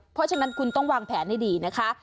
เพราะฉะนั้นคุณต้องวางแผนให้ดีนะคะ